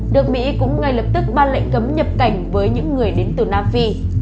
được mỹ cũng ngay lập tức ban lệnh cấm nhập cảnh với những người đến từ nam phi